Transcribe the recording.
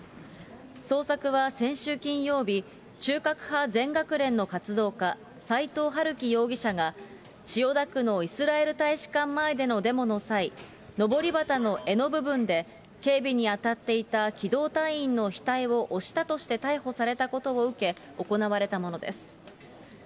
捜索は先週金曜日、中核派全学連の活動家、斎藤はるき容疑者が、千代田区のイスラエル大使館前でのデモの際、のぼり旗の柄の部分で警備に当たっていた機動隊員の額を押したとして逮捕されたことを受け、行われたものです。